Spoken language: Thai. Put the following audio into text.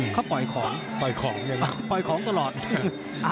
เค้าปล่อยของนะ